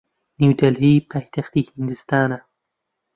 نیودەلهی پایتەختی هیندستانە.